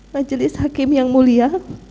majelis hakim yang mulia